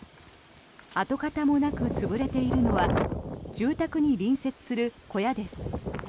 跡形もなく潰れているのは住宅に隣接する小屋です。